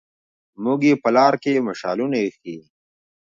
موږ يې په لار کې مشالونه ايښي